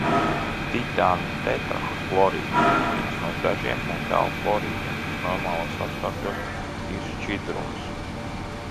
Titāna tetrahlorīds ir viens no dažiem metālu hlorīdiem, kas normālos apstākļos ir šķidrums.